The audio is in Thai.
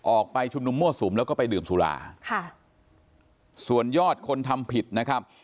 ออกไปชุมนุมมั่วสุมแล้วก็ไปดื่มสุราค่ะส่วนยอดคนทำผิดนะครับ